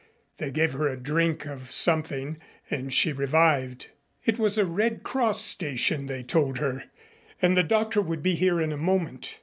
They gave her a drink of something and she revived. It was a Red Cross station, they told her, and the doctor would be here in a moment.